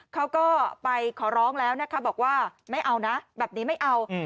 เขาก็ไปขอร้องแล้วนะคะบอกว่าไม่เอานะแบบนี้ไม่เอา